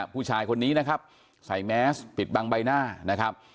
ผู้ชายคนนี้นะครับใส่แมสปิดบังใบหน้านะครับ